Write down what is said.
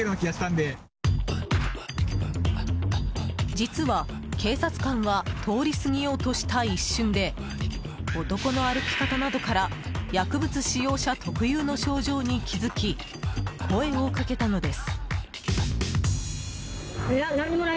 実は、警察官は通り過ぎようとした一瞬で男の歩き方などから薬物使用者特有の症状に気づき声をかけたのです。